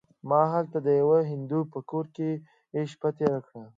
ما هلته د یوه هندو په کور کې شپه تېره کړه.